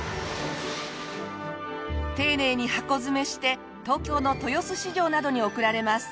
丁寧に箱詰めして東京の豊洲市場などに送られます。